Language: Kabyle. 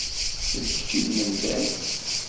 D kečč i d Mendas?